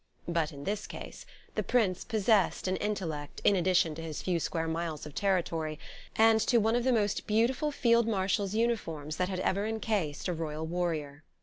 But in this case the Prince possessed an intellect, in addition to his few square miles of territory, and to one of the most beautiful Field Marshal's uniforms that had ever encased a royal warrior.